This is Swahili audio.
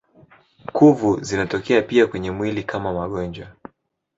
Kuvu zinatokea pia kwenye mwili kama magonjwa.